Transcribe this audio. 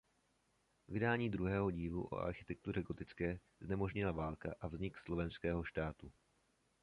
Vydání druhého dílu o architektuře gotické znemožnila válka a vznik Slovenského štátu.